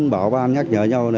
bảo ban nhắc nhở nhau